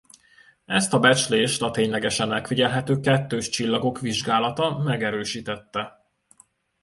Ezt a becslést a ténylegesen megfigyelhető kettőscsillagok vizsgálata megerősítette.